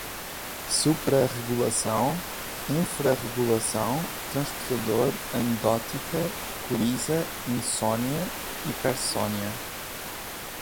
suprarregulação, infrarregulação, transportador, anedótica, coriza, insônia, hipersonia